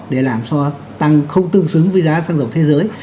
để làm cho tăng không tương xứng với giá sang dầu thế giới